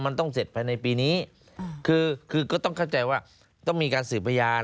มันต้องเสร็จภายในปีนี้คือคือก็ต้องเข้าใจว่าต้องมีการสืบพยาน